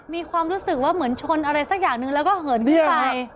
มีความรู้สึกว่าเหมือนชนอะไรสักอย่างนึงแล้วก็เหินขึ้นไป